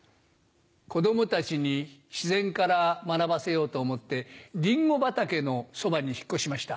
子供たちに自然から学ばせようと思ってリンゴ畑のそばに引っ越しました。